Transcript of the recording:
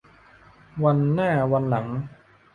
วันหน้าวันหลัง